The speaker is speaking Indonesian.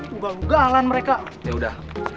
debbie ikiuh di sini